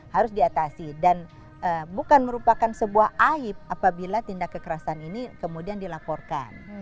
harus diatasi dan bukan merupakan sebuah aib apabila tindak kekerasan ini kemudian dilaporkan